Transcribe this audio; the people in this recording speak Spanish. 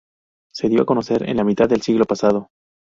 Se dio a conocer en la mitad del siglo pasado.